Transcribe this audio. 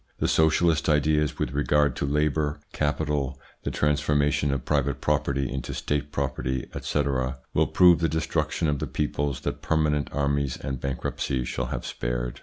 The socialist ideas with regard to labour, capital, the transformation of private property into State property, etc., will prove the destruction of the peoples that permanent armies and bankruptcy shall have spared.